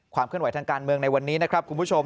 ความเคลื่อนไหวทางการเมืองในวันนี้นะครับคุณผู้ชม